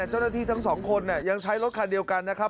เจ้าหน้าที่ทั้งสองคนเนี่ยยังใช้รถคันเดียวกันนะครับ